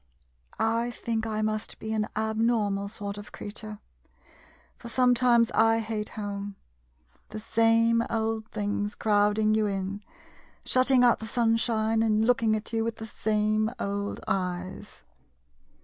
I think I must be an abnormal sort of creature — for sometimes I hate home! The same old things crowd ing you in, shutting out the sunshine, and looking at you with the same old eyes